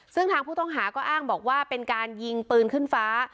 ซึ่งทางผู้ต้องหาก็อ้างบอกว่าเป็นการยิงปืนขึ้นฟ้า